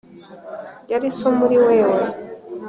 yari so muri wewe